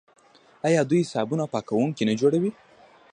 آیا دوی صابون او پاکوونکي نه جوړوي؟